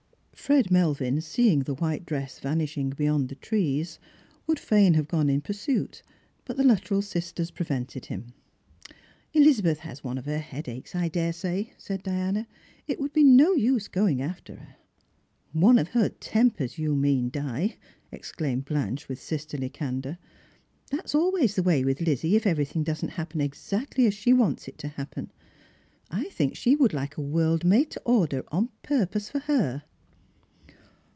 Fred Melvin, seeing the white dress vanishing beyond the trees, would fain have gone in pursuit, but the Luttrell sistera prevented him. " Elizabeth has one of her headaches, I daresay," said Diana. " It would be no use going after her." " One of her tempers, you mean, Di," exclaimed Blanche with sisterly candour. " That's always the way with Lizzie if every thing doesn't happen exactlj^ as she wants it to happen. I think she would like a world made to order, on purpose for her."